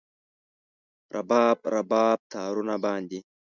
رباب، رباب تارونو باندې